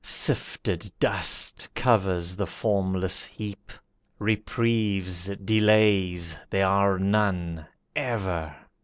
Sifted dust Covers the formless heap. Reprieves, delays, There are none, ever.